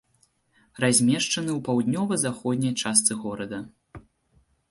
Размешчаны ў паўднёва-заходняй частцы горада.